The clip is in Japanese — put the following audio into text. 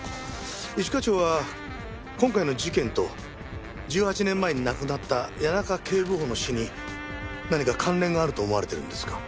一課長は今回の事件と１８年前に亡くなった谷中警部補の死に何か関連があると思われているんですか？